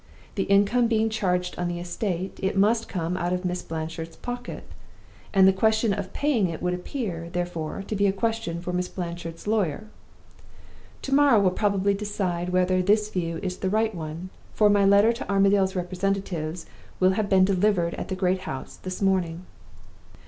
The income being charged on the estate, it must come out of Miss Blanchard's pocket; and the question of paying it would appear, therefore, to be a question for Miss Blanchard's lawyer. To morrow will probably decide whether this view is the right one, for my letter to Armadale's representatives will have been delivered at the great house this morning.